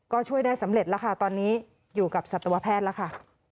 ก็ช่วยได้สำเร็จแล้วค่ะตอนนี้อยู่กับสัตวแพทย์แล้วค่ะ